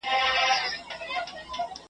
یو ثواب دے بل غذاب دے، خپله خپله نصیبه ده